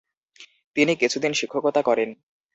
তিনি কিছুদিন শিক্ষকতা করেন।